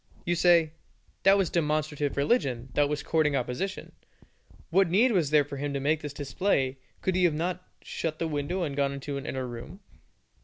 You say, "That was demonstrative religion, that was courting opposition. What need was there for him to make this display; could he not have shut the window and gone into an inner room?